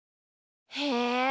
へえ。